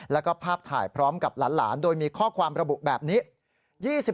แล้วก็ภาพถ่ายพร้อมกับหลานโดยมีข้อความระบุแบบนี้